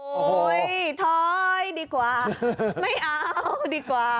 ถอยท้อยดีกว่าไม่เอาดีกว่า